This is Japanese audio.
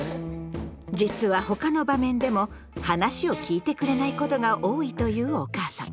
実は他の場面でも話を聞いてくれないことが多いというお母さん。